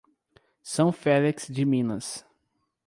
São Félix de Minas